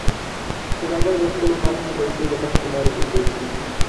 سوداګر د خپلو مالونو پیسې د بانک له لارې لیږدوي.